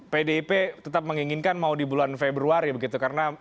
pdip tetap menginginkan mau di bulan februari begitu